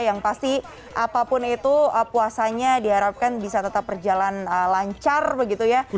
yang pasti apapun itu puasanya diharapkan bisa tetap berjalan lancar begitu ya